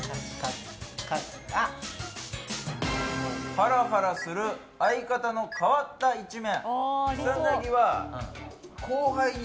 ハラハラする相方の変わった一面。